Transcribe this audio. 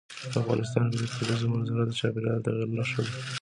افغانستان کې د کلیزو منظره د چاپېریال د تغیر نښه ده.